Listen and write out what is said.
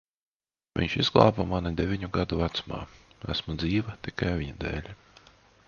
Viņš izglāba mani deviņu gadu vecumā. Esmu dzīva tikai viņa dēļ.